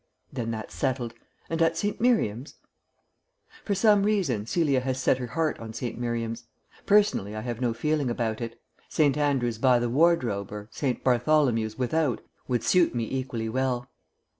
"Then that's settled. And at St. Miriam's?" For some reason Celia has set her heart on St. Miriam's. Personally I have no feeling about it. St. Andrew's by the Wardrobe or St. Bartholomew's Without would suit me equally well.